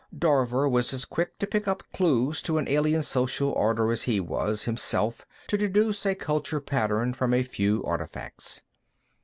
Dorver was as quick to pick up clues to an alien social order as he was, himself, to deduce a culture pattern from a few artifacts.